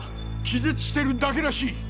気絶してるだけらしい。